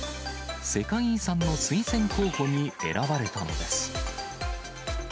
世界遺産の推薦候補に選ばれたのです。